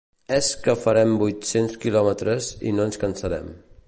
És que farem vuit-cents quilòmetres i no ens cansarem .